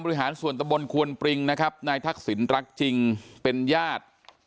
หาส่วนตะบนควนปริงนะครับนายทักษิณรักจริงเป็นญาติ